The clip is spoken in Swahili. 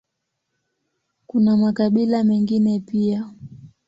Kuna makabila mengine pia.